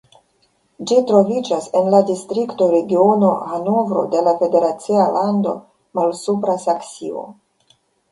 Ĝi troviĝas en la distrikto Regiono Hanovro de la federacia lando Malsupra Saksio.